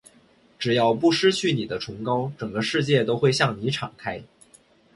只要不失去你的崇高，整个世界都会向你敞开。